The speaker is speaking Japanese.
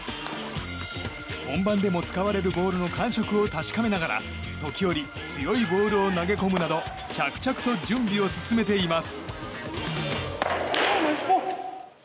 本番でも使われるボールの感触を確かめながら時折、強いボールを投げ込むなど着々と準備を進めています。